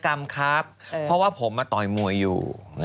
กรรมครับเพราะว่าผมมาต่อยมวยอยู่